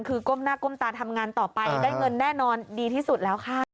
คือก้มหน้าก้มตาทำงานต่อไปได้เงินแน่นอนดีที่สุดแล้วค่ะ